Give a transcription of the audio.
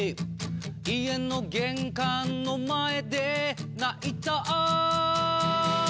家の玄関の前で泣いた